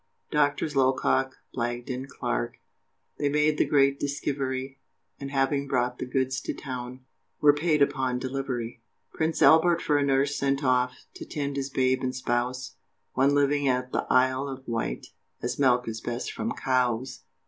Doctors Locock, Blagden, Clark, They made the great diskivery, And having brought the goods to town, Were "paid upon delivery!" Prince Albert for a nurse sent off, To tend his babe and spouse One living at the Isle of Wight, As milk is best from COWES!